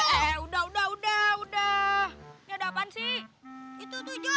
ada apaan sih udah udah udah udah udah udah apaan sih itu